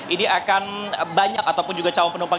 ini akan banyak ataupun juga calon penumpang